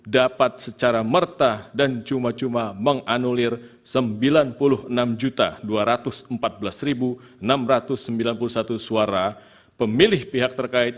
dapat secara merta dan cuma cuma menganulir sembilan puluh enam dua ratus empat belas enam ratus sembilan puluh satu suara pemilih pihak terkait